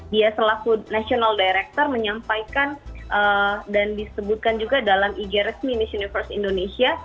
dia sebagai direktur nasional menyampaikan dan disebutkan juga dalam ig resmi miss universe indonesia